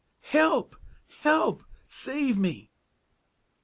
"Help! Help! Save me!"